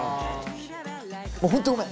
本当ごめん！